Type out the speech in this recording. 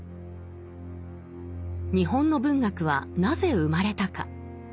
日本の文学はなぜ生まれたか？